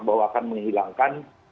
bahwa akan menghilangkan